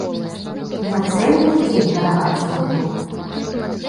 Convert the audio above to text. Не цэльны ж дзень гараваць нам тут!